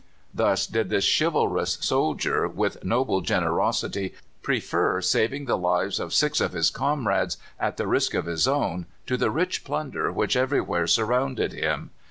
Thus did this chivalrous soldier, with noble generosity, prefer saving the lives of six of his comrades at the risk of his own to the rich plunder which everywhere surrounded him.